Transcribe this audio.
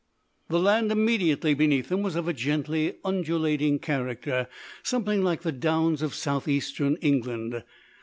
The land immediately beneath them was of a gently undulating character, something like the Downs of South Eastern England.